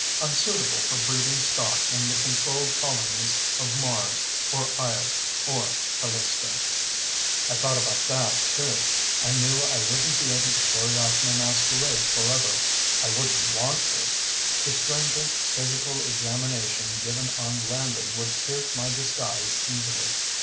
Unsuitable for breeding stock in the controlled colonies of Mars or Io and Callisto. I thought about that, too. I knew I wouldn't be able to carry off my masquerade forever. I wouldn't want to. The stringent physical examination given on landing would pierce my disguise easily.